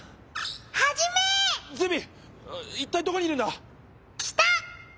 いったいどこにいるんだ？